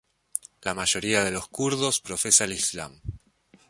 La mayoría de los kurdos profesa el islam.